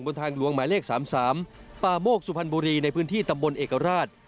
บนทางหลวงหมายเลขสามสามป่าโมกสุพันบุรีในพื้นที่ตำบลเอการาช